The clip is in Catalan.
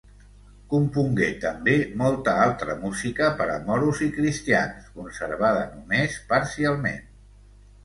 Compongué, també, molta altra música per a Moros i cristians, conservada només parcialment.